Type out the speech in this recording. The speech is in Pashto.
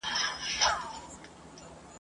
د فرهنګ او تمدن مرکز ویرژلي هرات ته! !.